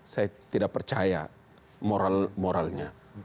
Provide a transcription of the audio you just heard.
saya tidak percaya moral moralnya